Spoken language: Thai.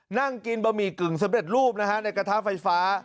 นั่งกินบะหมี่กึ่งสำเร็จรูปนะฮะในกระทะไฟฟ้า